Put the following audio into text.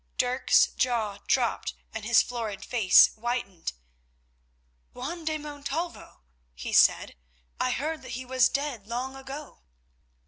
Dirk's jaw dropped and his florid face whitened. "Juan de Montalvo!" he said. "I heard that he was dead long ago."